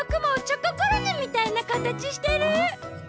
チョココロネみたいなかたちしてる！